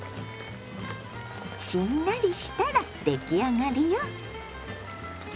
しんなりしたら出来上がりよ。